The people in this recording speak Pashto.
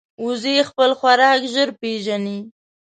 وزې خپل خوراک ژر پېژني